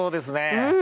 うん！